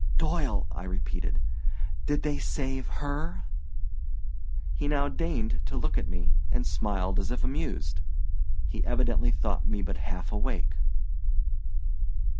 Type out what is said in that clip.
"Doyle," I repeated, "did they save her?" He now deigned to look at me and smiled as if amused. He evidently thought me but half awake.